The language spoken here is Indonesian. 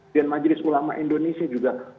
dan majelis ulama indonesia juga